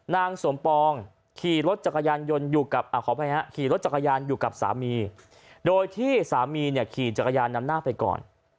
นางสวมปองขี่รถจักรยานอยู่กับสามีโดยที่สามีขี่จักรยานนำหน้าไปก่อน